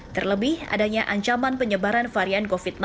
terlebih adanya ancaman penyebaran varian covid sembilan belas